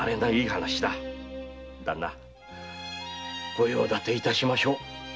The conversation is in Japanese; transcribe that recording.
ご用立ていたしましょう。